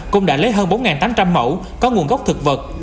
cũng đã lấy hơn bốn tám trăm linh mẫu có nguồn gốc thực vật